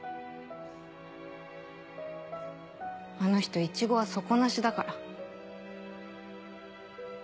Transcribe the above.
あの人イチゴは底なしだから。